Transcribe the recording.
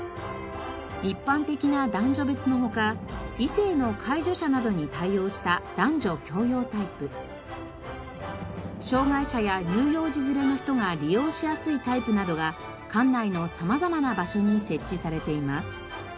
一般的な男女別の他異性の介助者などに対応した男女共用タイプ障害者や乳幼児連れの人が利用しやすいタイプなどが館内の様々な場所に設置されています。